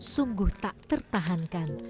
sungguh tak tertahankan